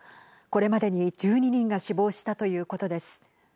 これまでに１２人が死亡したということです。